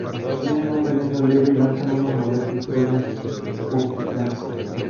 Tienen un veneno leve y lanzan unos molestos pelos urticantes.